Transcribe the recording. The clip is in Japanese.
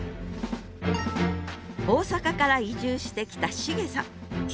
大阪から移住してきた重さん。